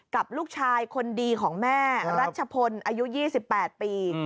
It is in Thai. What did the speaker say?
กับลูกชายคนดีของแม่รัชพลอายุ๒๘ปี